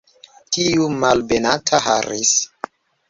Tiu malbenata Harris!